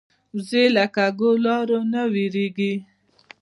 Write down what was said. وزې له کږو لارو نه وېرېږي